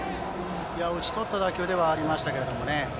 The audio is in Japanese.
打ち取った打球でしたけどね。